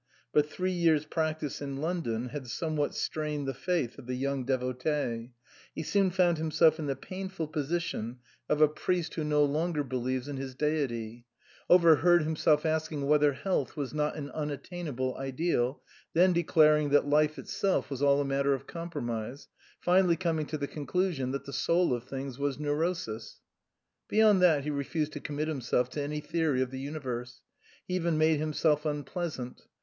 But three years' practice in London had somewhat strained the faith of the young devotee. He soon found himself in the painful position of a priest who 272 UNDER A BLUE MOON no longer believes in his deity ; overheard him self asking whether health was not an unattain able ideal ; then declaring that life itself was all a matter of compromise ; finally coming to the conclusion that the soul of things was Neurosis. Beyond that he refused to commit himself to any theory of the universe. He even made himself unpleasant.